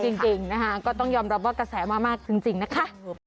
นี่ค่ะก็ต้องยอมรับว่ากระแสมากจริงนะคะ